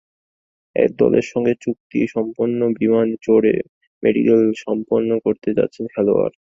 একদলের সঙ্গে চুক্তি সম্পন্ন, বিমানে চড়ে মেডিকেল সম্পন্ন করতে যাচ্ছেন খেলোয়াড়।